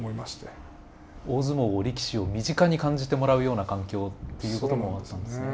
大相撲を力士を身近に感じてもらうような環境をっていうこともあったんですね。